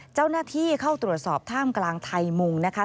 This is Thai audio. เจ้าหน้าที่เข้าตรวจสอบท่ามกลางไทยมุงนะคะ